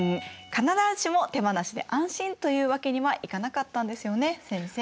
必ずしも手放しで安心というわけにはいかなかったんですよね先生。